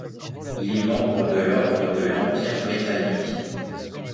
Il est membre de l'ordre de l'Empire britannique.